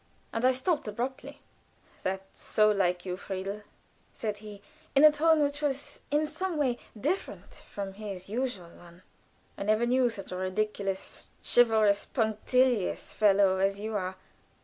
And I stopped abruptly. "That's like you, Friedhelm," said he, in a tone which was in some way different from his usual one. "I never knew such a ridiculous, chivalrous, punctilious fellow as you are.